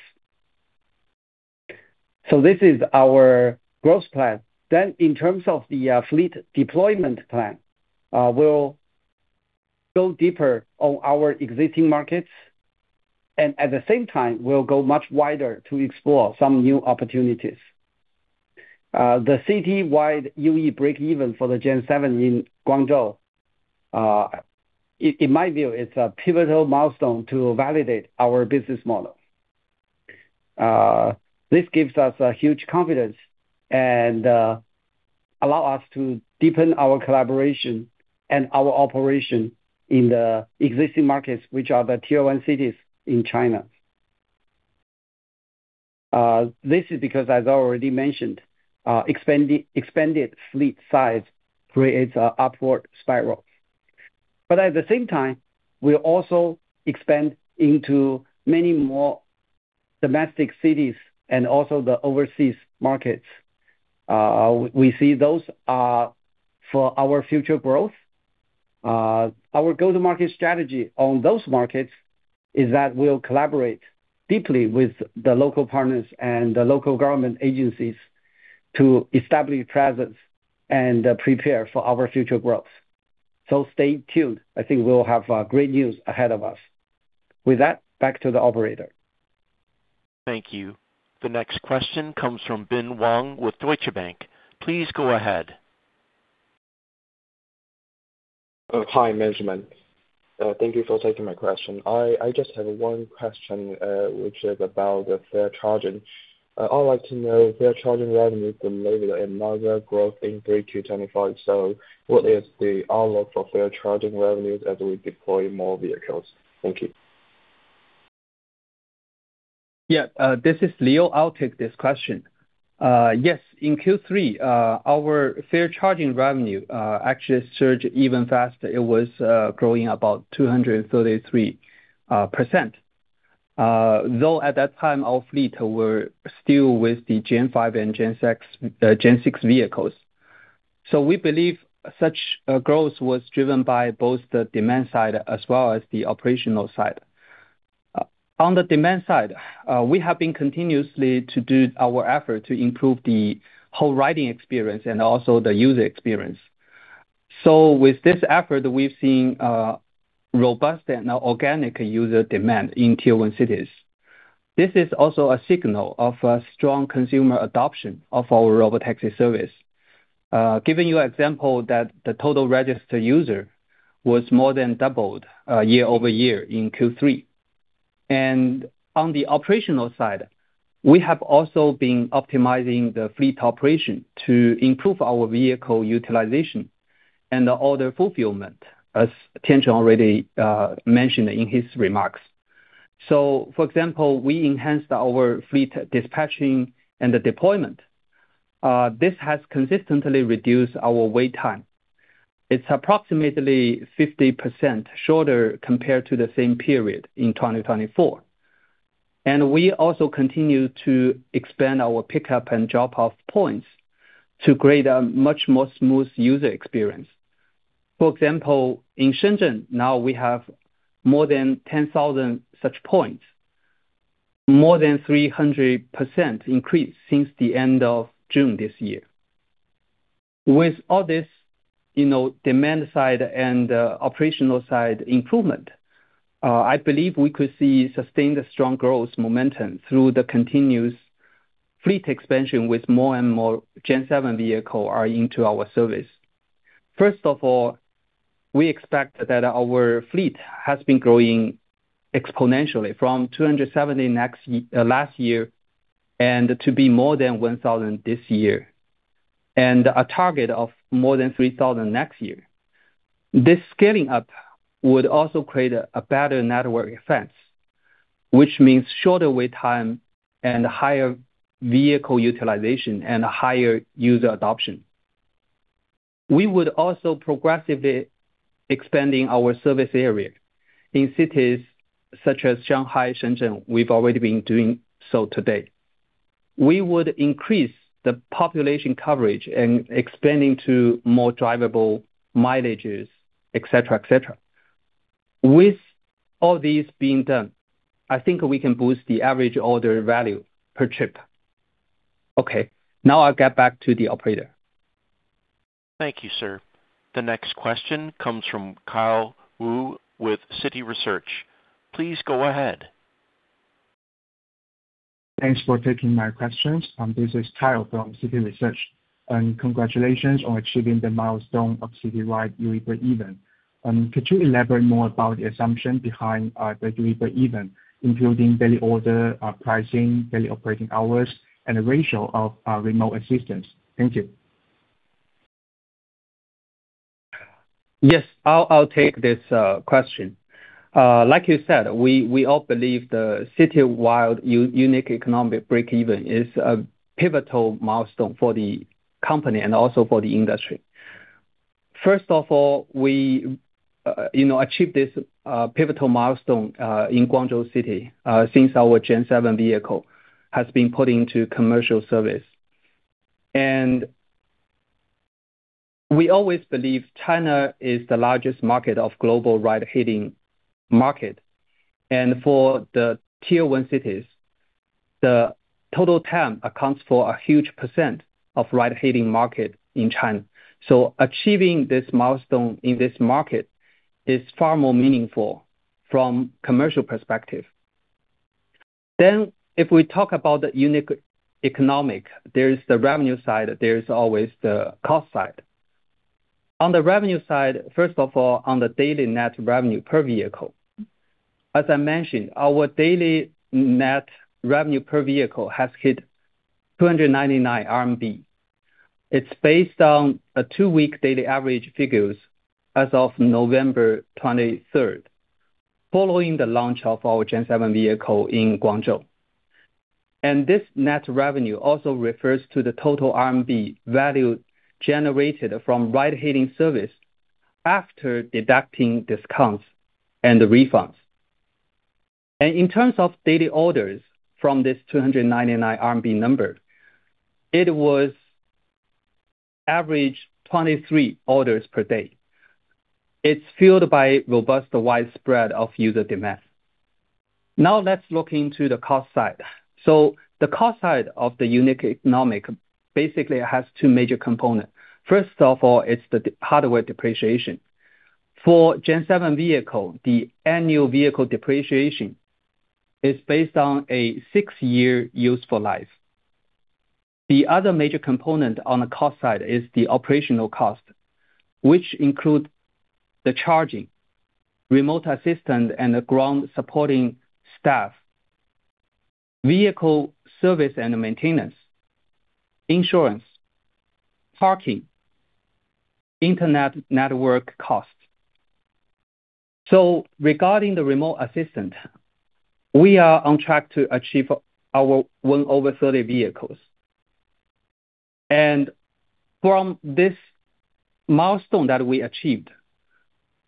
This is our growth plan. In terms of the fleet deployment plan, we'll go deeper on our existing markets. At the same time, we'll go much wider to explore some new opportunities. The city-wide UE break-even for the Gen - 7 in Guangzhou, in my view, is a pivotal milestone to validate our business model. This gives us huge confidence and allows us to deepen our collaboration and our operation in the existing markets, which are the Tier 1 cities in China. This is because, as I already mentioned, expanded fleet size creates an upward spiral. At the same time, we also expand into many more domestic cities and also the overseas markets. We see those for our future growth. Our go-to-market strategy on those markets is that we'll collaborate deeply with the local partners and the local government agencies to establish presence and prepare for our future growth. Stay tuned. I think we'll have great news ahead of us. With that, back to the operator. Thank you. The next question comes from Ben Wang with Deutsche Bank. Please go ahead. Hi, management. Thank you for taking my question. I just have one question, which is about the fare charging. I'd like to know fare charging revenues will leverage another growth in Q2 2025. What is the outlook for fare charging revenues as we deploy more vehicles? Thank you. Yeah, this is Leo. I'll take this question. Yes, in Q3, our fare charging revenue actually surged even faster. It was growing about 233%. Though at that time, our fleet were still with the Gen-5 and Gen-6 vehicles. We believe such growth was driven by both the demand side as well as the operational side. On the demand side, we have been continuously to do our effort to improve the whole riding experience and also the user experience. With this effort, we've seen robust and organic user demand in Tier 1 cities. This is also a signal of a strong consumer adoption of our robotaxi service. Giving you an example that the total registered user was more than doubled year over year in Q3. On the operational side, we have also been optimizing the fleet operation to improve our vehicle utilization and order fulfillment, as Tiancheng already mentioned in his remarks. For example, we enhanced our fleet dispatching and deployment. This has consistently reduced our wait time. It is approximately 50% shorter compared to the same period in 2024. We also continue to expand our pickup and drop-off points to create a much more smooth user experience. For example, in Shenzhen, now we have more than 10,000 such points, more than 300% increase since the end of June this year. With all this demand side and operational side improvement, I believe we could see sustained strong growth momentum through the continuous fleet expansion with more and more Gen - 7 vehicles into our service. First of all, we expect that our fleet has been growing exponentially from 270 last year and to be more than 1,000 this year, and a target of more than 3,000 next year. This scaling up would also create a better network effect, which means shorter wait time and higher vehicle utilization and higher user adoption. We would also progressively expand our service area in cities such as Shanghai, Shenzhen. We've already been doing so today. We would increase the population coverage and expand to more drivable mileages, etc., etc. With all these being done, I think we can boost the average order value per trip. Okay, now I'll get back to the operator. Thank you, sir. The next question comes from Kyle Wu with City Research. Please go ahead. Thanks for taking my questions. This is Kyle from City Research. Congratulations on achieving the milestone of city ride UE break-even. Could you elaborate more about the assumption behind the UE break-even, including daily order pricing, daily operating hours, and the ratio of remote assistance? Thank you. Yes, I'll take this question. Like you said, we all believe the city-wide unit economic break-even is a pivotal milestone for the company and also for the industry. First of all, we achieved this pivotal milestone in Guangzhou city since our Gen - 7 vehicle has been put into commercial service. We always believe China is the largest market of global ride-hailing market. For the Tier one cities, the total TAM accounts for a huge percent of ride-hailing market in China. Achieving this milestone in this market is far more meaningful from a commercial perspective. If we talk about the unit economics, there is the revenue side. There is always the cost side. On the revenue side, first of all, on the daily net revenue per vehicle. As I mentioned, our daily net revenue per vehicle has hit 299 RMB. It is based on a two-week daily average figures as of November 23, following the launch of our Gen - 7 vehicle in Guangzhou. This net revenue also refers to the total CNY value generated from ride-hailing service after deducting discounts and refunds. In terms of daily orders from this 299 RMB number, it was average 23 orders per day. It is fueled by robust widespread of user demand. Now let's look into the cost side. The cost side of the unit economics basically has two major components. First of all, it's the hardware depreciation. For Gen - 7 vehicles, the annual vehicle depreciation is based on a six-year useful life. The other major component on the cost side is the operational cost, which includes the charging, remote assistant, and the ground supporting staff, vehicle service and maintenance, insurance, parking, internet network costs. Regarding the remote assistant, we are on track to achieve our 1 over 30 vehicles. From this milestone that we achieved,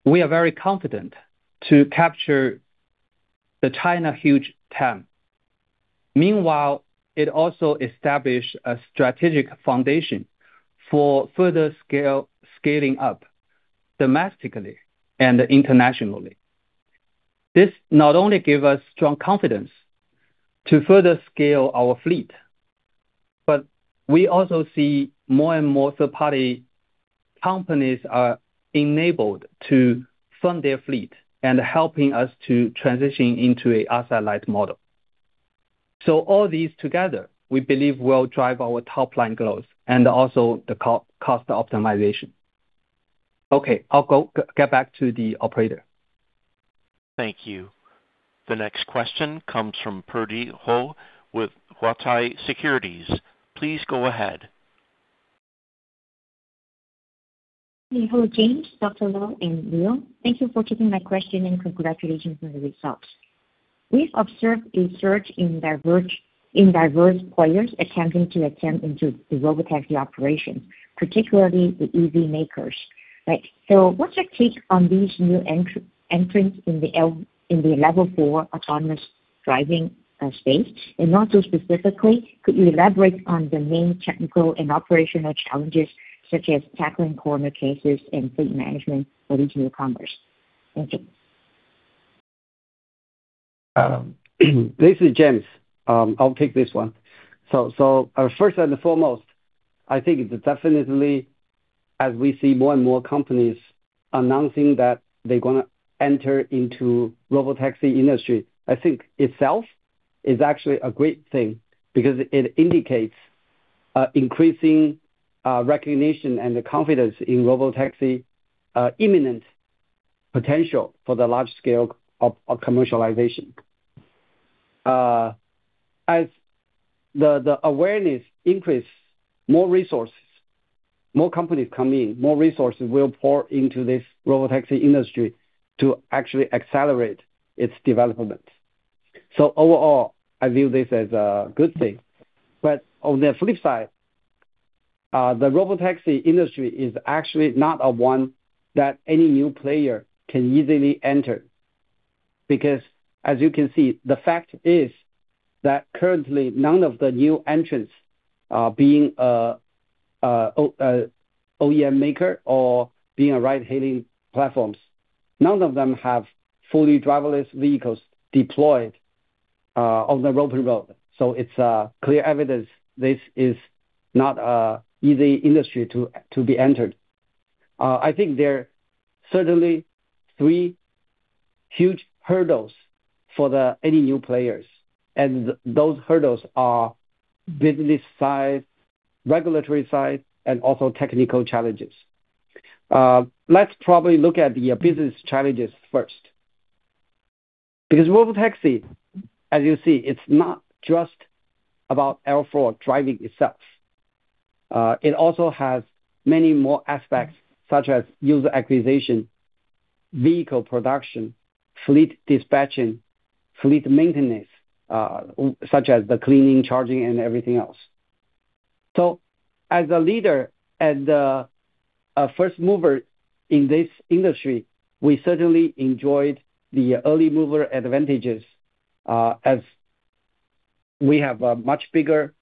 we are very confident to capture the China huge TAM. Meanwhile, it also established a strategic foundation for further scaling up domestically and internationally. This not only gives us strong confidence to further scale our fleet, but we also see more and more third-party companies are enabled to fund their fleet and helping us to transition into a satellite model. All these together, we believe will drive our top-line growth and also the cost optimization. Okay, I'll get back to the operator. Thank you. The next question comes from Purdy Ho with Huatai Securities. Please go ahead. Hello, James, Dr. Lou, and Leo. Thank you for taking my question and congratulations on the results. We've observed a surge in diverse players attempting to enter into the robotaxi operations, particularly the EV makers. What's your take on these new entrants in the Level 4 autonomous driving space? Also, specifically, could you elaborate on the main technical and operational challenges such as tackling corner cases and fleet management for these new e-commerce? Thank you. Basically, James, I'll take this one. First and foremost, I think it's definitely. As we see more and more companies announcing that they're going to enter into the robotaxi industry, I think itself is actually a great thing because it indicates increasing recognition and confidence in robotaxi imminent potential for the large-scale commercialization. As the awareness increases, more resources, more companies come in, more resources will pour into this robotaxi industry to actually accelerate its development. Overall, I view this as a good thing. On the flip side, the robotaxi industry is actually not one that any new player can easily enter because, as you can see, the fact is that currently none of the new entrants being an OEM maker or being ride-hailing platforms, none of them have fully driverless vehicles deployed on the open road. It is clear evidence this is not an easy industry to be entered. I think there are certainly three huge hurdles for any new players. Those hurdles are business side, regulatory side, and also technical challenges. Let's probably look at the business challenges first because robotaxi, as you see, it's not just about airflow driving itself. It also has many more aspects such as user acquisition, vehicle production, fleet dispatching, fleet maintenance, such as the cleaning, charging, and everything else. As a leader and the first mover in this industry, we certainly enjoyed the early mover advantages as we have a much bigger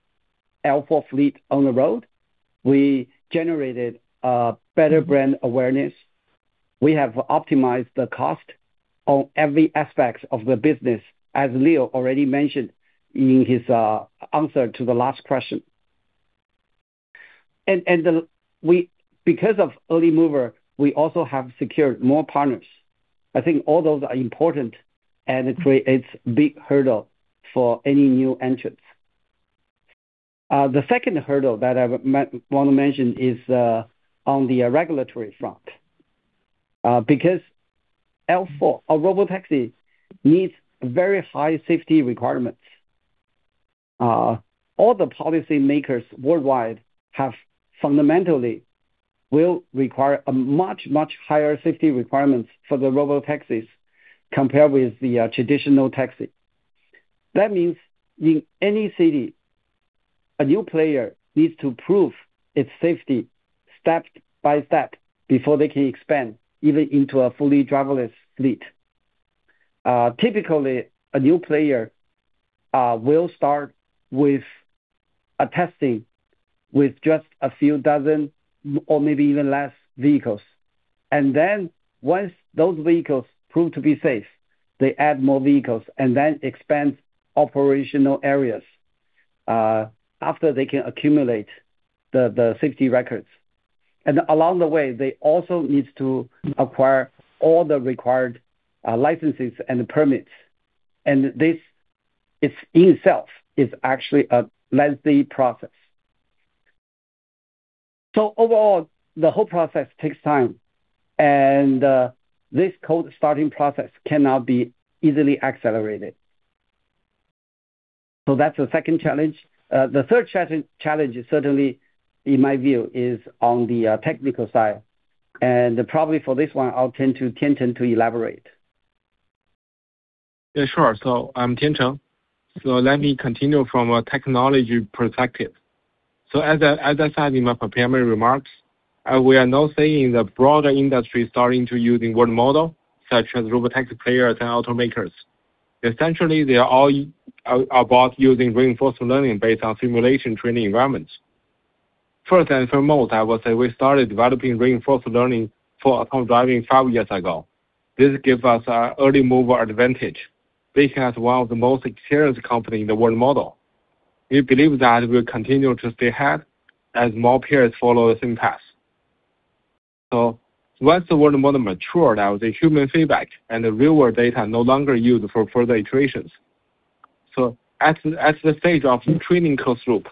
L4 fleet on the road. We generated better brand awareness. We have optimized the cost on every aspect of the business, as Leo already mentioned in his answer to the last question. Because of early mover, we also have secured more partners. I think all those are important and create a big hurdle for any new entrants. The second hurdle that I want to mention is on the regulatory front because L4, a robotaxi, needs very high safety requirements. All the policymakers worldwide have fundamentally will require much, much higher safety requirements for the robotaxis compared with the traditional taxi. That means in any city, a new player needs to prove its safety step by step before they can expand even into a fully driverless fleet. Typically, a new player will start with testing with just a few dozen or maybe even less vehicles. Then once those vehicles prove to be safe, they add more vehicles and then expand operational areas after they can accumulate the safety records. Along the way, they also need to acquire all the required licenses and permits. This in itself is actually a lengthy process. Overall, the whole process takes time. This cold starting process cannot be easily accelerated. That is the second challenge. The third challenge, certainly in my view, is on the technical side. Probably for this one, I will turn to Tiancheng to elaborate. Yeah, sure. I am Tiancheng. Let me continue from a technology perspective. As I said in my preparatory remarks, we are now seeing the broader industry starting to use world models such as robotaxi players and automakers. Essentially, they are all about using reinforcement learning based on simulation training environments. First and foremost, I will say we started developing reinforcement learning for autonomous driving five years ago. This gives us an early mover advantage. We have one of the most experienced companies in the world model. We believe that we will continue to stay ahead as more players follow the same path. Once the world model matured, I would say human feedback and real-world data are no longer used for further iterations. At the stage of training closed loop,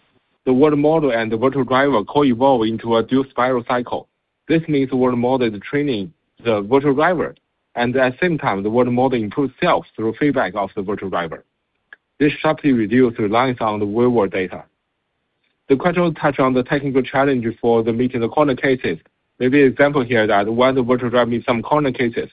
the world model and the virtual driver co-evolve into a dual spiral cycle. This means the world model is training the virtual driver. At the same time, the world model improves itself through feedback of the virtual driver. This sharply reduces reliance on the real-world data. The question touched on the technical challenge for the meeting of corner cases. Maybe an example here that when the virtual driver meets some corner cases,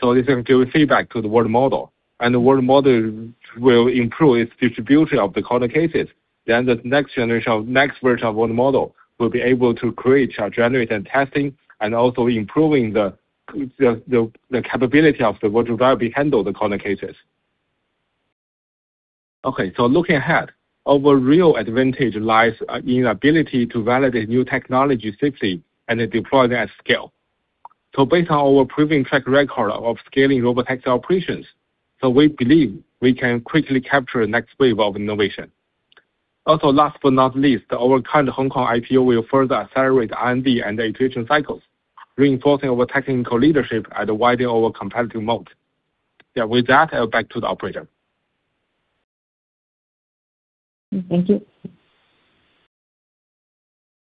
this can give feedback to the world model. The world model will improve its distribution of the corner cases. The next generation of next version of the world model will be able to create or generate and testing and also improving the capability of the virtual driver to handle the corner cases. Okay, looking ahead, our real advantage lies in the ability to validate new technology safely and deploy them at scale. Based on our proving track record of scaling robotaxi operations, we believe we can quickly capture the next wave of innovation. Also, last but not least, our current Hong Kong IPO will further accelerate R&D and iteration cycles, reinforcing our technical leadership and widening our competitive moat. Yeah, with that, I'll back to the operator. Thank you.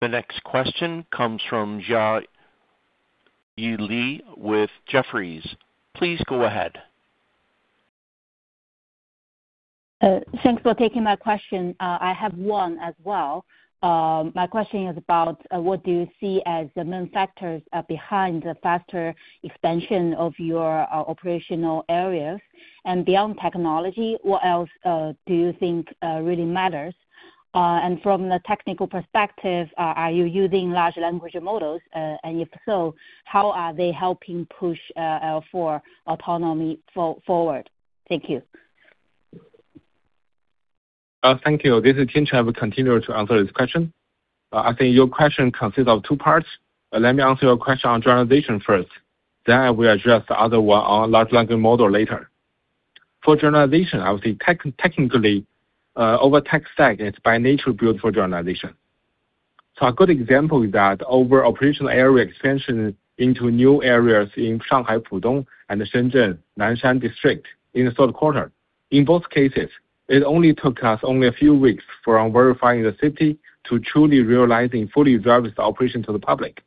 The next question comes from Zhao Yili with Jefferies. Please go ahead. Thanks for taking my question. I have one as well. My question is about what do you see as the main factors behind the faster expansion of your operational areas? Beyond technology, what else do you think really matters? From the technical perspective, are you using large language models? If so, how are they helping push L4 autonomy forward? Thank you. Thank you. This is Tiancheng. I will continue to answer this question. I think your question consists of two parts. Let me answer your question on generalization first. I will address the other one on large language model later. For generalization, I would say technically, our tech stack is by nature built for generalization. A good example is that our operational area expansion into new areas in Shanghai, Pudong, and Shenzhen, Nanshan District in the South Quarter. In both cases, it only took us a few weeks from verifying the safety to truly realizing fully driverless operations to the public.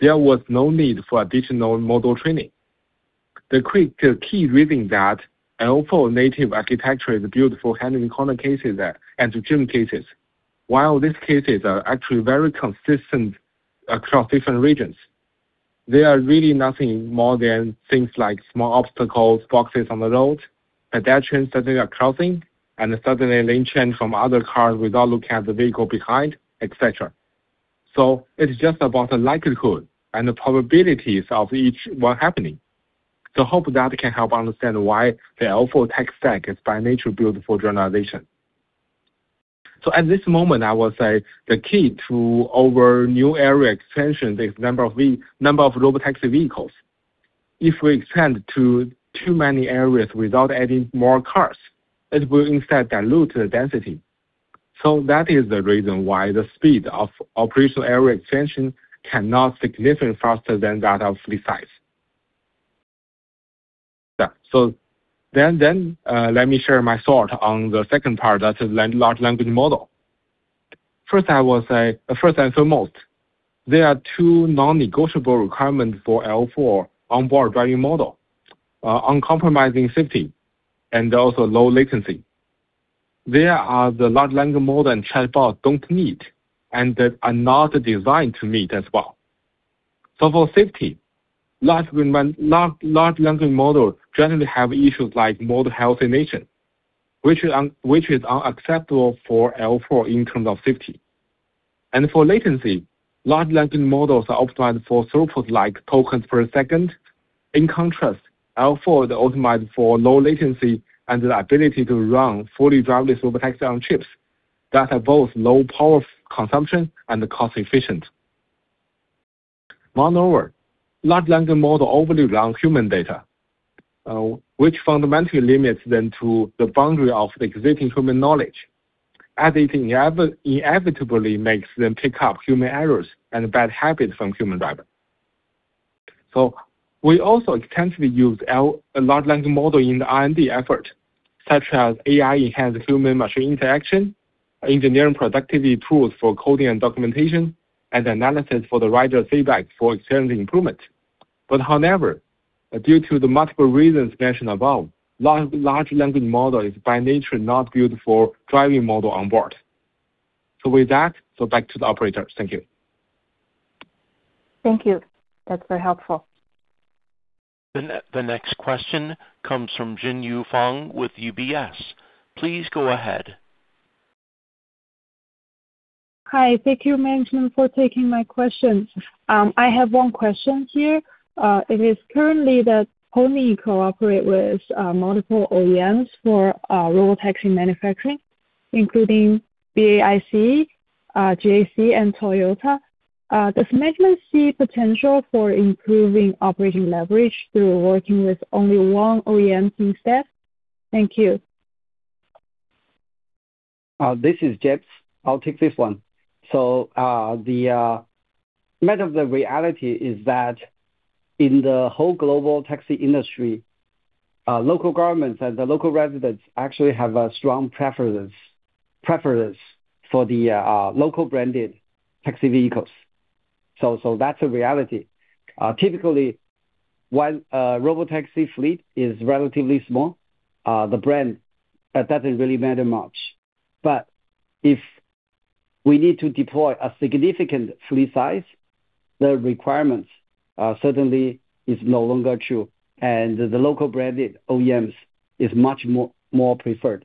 There was no need for additional model training. The key reason is that L4 native architecture is built for handling corner cases and extreme cases, while these cases are actually very consistent across different regions. They are really nothing more than things like small obstacles, boxes on the road, pedestrians suddenly crossing, and sudden lane changes from other cars without looking at the vehicle behind, etc. It is just about the likelihood and the probabilities of each one happening. I hope that can help understand why the L4 tech stack is by nature built for generalization. At this moment, I will say the key to our new area expansion is the number of robotaxi vehicles. If we expand to too many areas without adding more cars, it will instead dilute the density. That is the reason why the speed of operational area expansion cannot significantly be faster than that of the size. Let me share my thought on the second part, that's a large language model. First, I will say first and foremost, there are two non-negotiable requirements for L4 onboard driving model: uncompromising safety and also low latency. There are the large language model and chatbot do not meet, and they are not designed to meet as well. For safety, large language models generally have issues like model health in nature, which is unacceptable for L4 in terms of safety. For latency, large language models are optimized for throughput like tokens per second. In contrast, L4 is optimized for low latency and the ability to run fully driverless robotaxi on chips that are both low power consumption and cost-efficient. Moreover, large language models overly rely on human data, which fundamentally limits them to the boundary of the existing human knowledge, as it inevitably makes them pick up human errors and bad habits from human drivers. We also extensively use large language models in the R&D effort, such as AI-enhanced human-machine interaction, engineering productivity tools for coding and documentation, and analysis for the rider feedback for experience improvement. However, due to the multiple reasons mentioned above, large language models are by nature not built for driving models onboard. With that, back to the operators. Thank you. Thank you. That's very helpful. The next question comes from Xinyu Fang with UBS. Please go ahead. Hi. Thank you, Mancheng, for taking my questions. I have one question here. It is currently that Pony cooperates with multiple OEMs for robotaxi manufacturing, including BAIC, GAC, and Toyota. Does Mancheng see potential for improving operating leverage through working with only one OEM team staff? Thank you. This is James. I'll take this one. The matter of the reality is that in the whole global taxi industry, local governments and the local residents actually have strong preferences for the local branded taxi vehicles. That is the reality. Typically, when a robotaxi fleet is relatively small, the brand does not really matter much. If we need to deploy a significant fleet size, the requirements certainly are no longer true. The local branded OEMs are much more preferred.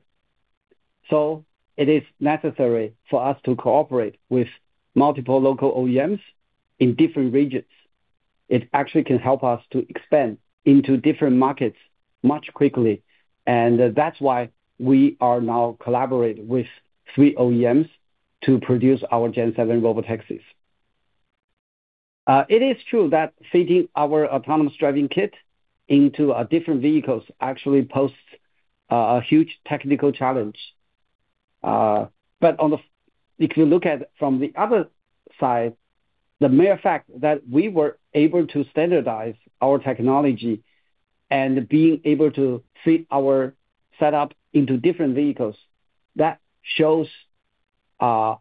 It is necessary for us to cooperate with multiple local OEMs in different regions. It actually can help us to expand into different markets much quickly. That is why we are now collaborating with three OEMs to produce our Gen - 7 Robotaxis. It is true that feeding our autonomous driving kit into different vehicles actually poses a huge technical challenge. If you look at it from the other side, the mere fact that we were able to standardize our technology and being able to fit our setup into different vehicles, that shows our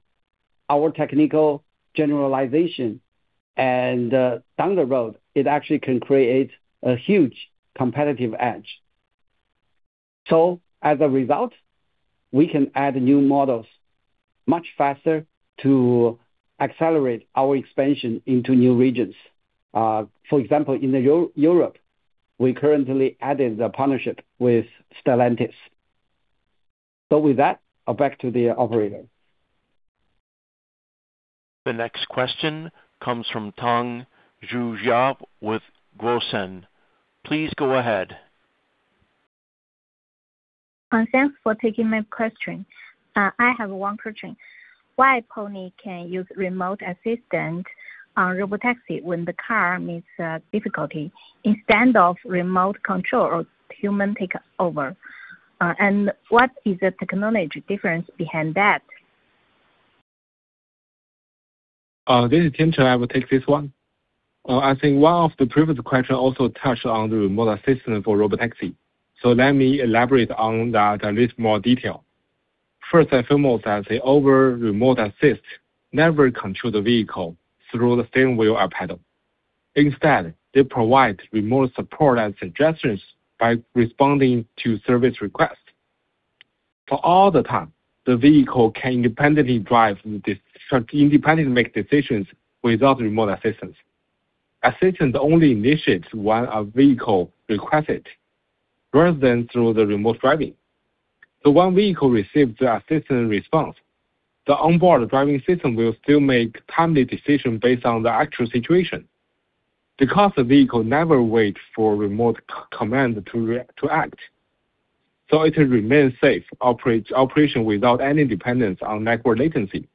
technical generalization. Down the road, it actually can create a huge competitive edge. As a result, we can add new models much faster to accelerate our expansion into new regions. For example, in Europe, we currently added the partnership with Stellantis. With that, I'll back to the operator. The next question comes from Tang Zhu Jia with Guoshen. Please go ahead. Thanks for taking my question. I have one question. Why can Pony use remote assistant on robotaxi when the car meets difficulty instead of remote control or human takeover? What is the technology difference behind that? This is Tiancheng. I will take this one. I think one of the previous questions also touched on the remote assistant for robotaxi. Let me elaborate on that in a little more detail. First, I feel that the remote assist never controls the vehicle through the steering wheel or pedal. Instead, they provide remote support and suggestions by responding to service requests. For all the time, the vehicle can independently drive and independently make decisions without remote assistance. Assistance only initiates when a vehicle requests it rather than through remote driving. When a vehicle receives the assistance response, the onboard driving system will still make timely decisions based on the actual situation. Because the vehicle never waits for remote command to act, it remains safe operating without any dependence on network latency.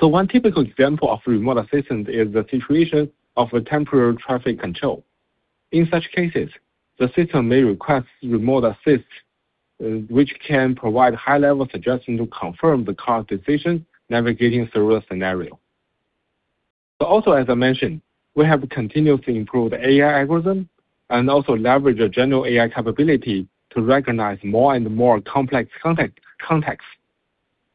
One typical example of remote assistance is the situation of a temporary traffic control. In such cases, the system may request remote assist, which can provide high-level suggestions to confirm the car's decision, navigating through the scenario. Also, as I mentioned, we have continuously improved AI algorithms and also leveraged general AI capability to recognize more and more complex contexts.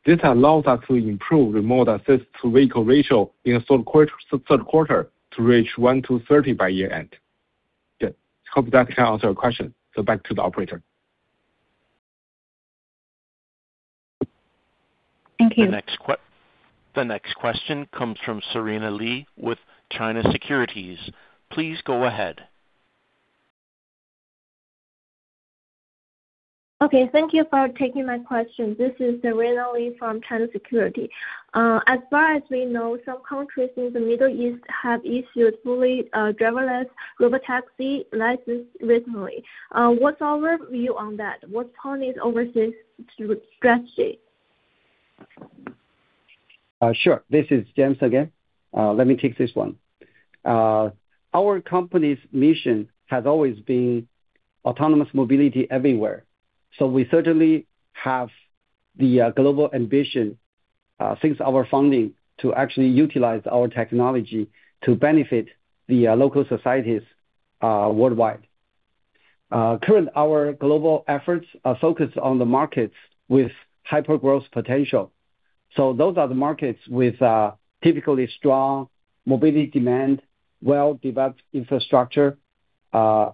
This allows us to improve remote assist to vehicle ratio in the third quarter to reach 1 to 30 by year-end. I hope that can answer your question. Back to the operator. Thank you. The next question comes from Serena Li with China Securities. Please go ahead. Thank you for taking my question. This is Serena Li from China Securities. As far as we know, some countries in the Middle East have issued fully driverless robotaxi licenses recently. What's our view on that? What's Pony's overseas strategy? Sure. This is Tiancheng again. Let me take this one. Our company's mission has always been autonomous mobility everywhere. We certainly have the global ambition, since our funding, to actually utilize our technology to benefit the local societies worldwide. Currently, our global efforts are focused on the markets with hyper-growth potential. Those are the markets with typically strong mobility demand, well-developed infrastructure, and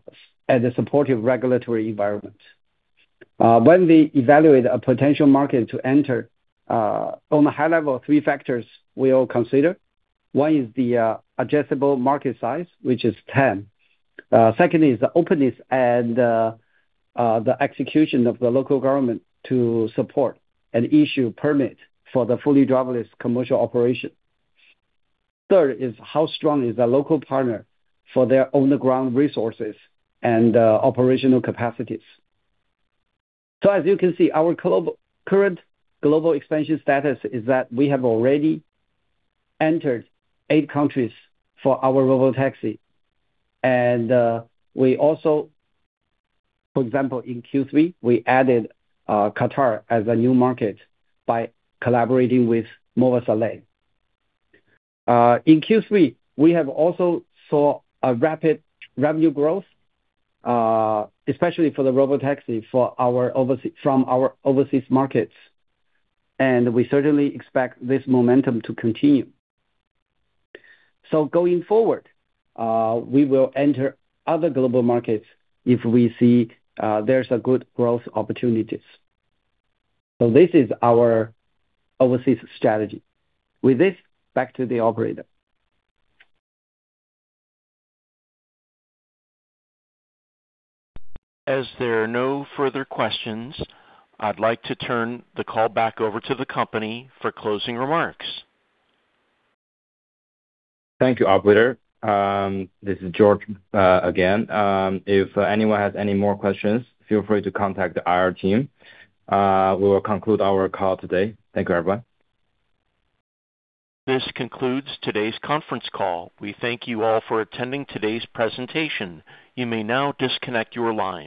a supportive regulatory environment. When we evaluate a potential market to enter, on a high level, three factors we will consider. One is the addressable market size, which is 10. Second is the openness and the execution of the local government to support and issue permits for the fully driverless commercial operation. Third is how strong is the local partner for their on-the-ground resources and operational capacities. As you can see, our current global expansion status is that we have already entered eight countries for our robotaxi. For example, in Q3, we added Qatar as a new market by collaborating with Mowasalat. In Q3, we also saw rapid revenue growth, especially for the robotaxi from our overseas markets. We certainly expect this momentum to continue. Going forward, we will enter other global markets if we see there are good growth opportunities. This is our overseas strategy. With this, back to the operator. As there are no further questions, I'd like to turn the call back over to the company for closing remarks. Thank you, operator. This is George again. If anyone has any more questions, feel free to contact our team. We will conclude our call today. Thank you, everyone. This concludes today's conference call. We thank you all for attending today's presentation. You may now disconnect your line.